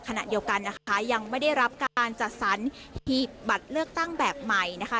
ขณะเดียวกันนะคะยังไม่ได้รับการจัดสรรหีบบัตรเลือกตั้งแบบใหม่นะคะ